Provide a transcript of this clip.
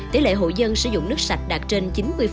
tỷ lệ hộ dân sử dụng nước sạch đạt trên chín mươi